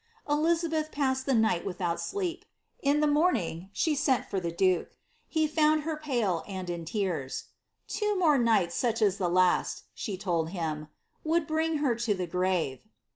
"' Elizabeth passed the night without sleep. In the morning, she sent for the duke. He found her pale and in tears. " Two more nights such as the last," she told him, " would bring her to the grave."